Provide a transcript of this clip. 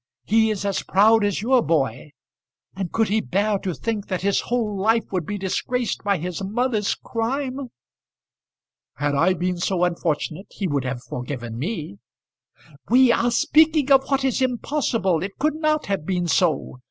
He is as proud as your boy; and could he bear to think that his whole life would be disgraced by his mother's crime?" "Had I been so unfortunate he would have forgiven me." "We are speaking of what is impossible. It could not have been so.